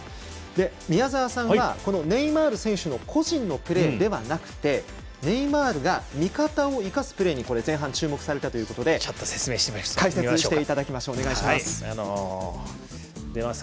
宮澤さんはネイマール選手の個人のプレーではなくてネイマールが味方を生かすプレーに前半、注目したということで解説していただきます。